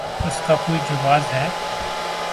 اس کا کوئی جواز ہے؟